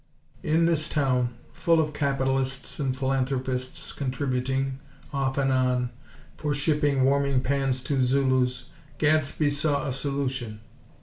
In this town, full of capitalists and philanthropists contributing, off and on, for shipping warming pans to Zulus, Gadsby saw a solution.